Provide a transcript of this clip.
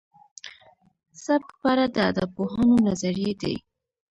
سبک په اړه د ادبپوهانو نظريې دي.